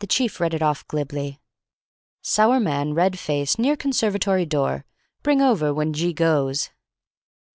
The chief read it off glibly: "Stout man, red face, near conservatory door. Bring over when G goes."